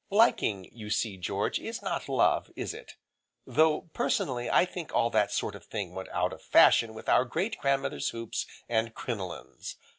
Liking, you see George, is not love, is it? Though, personally, I think all that sort of thing went out of fashion with our great grandmother's hoops, and crinolines.